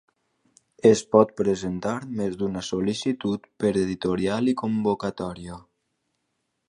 Es pot presentar més d'una sol·licitud per editorial i convocatòria.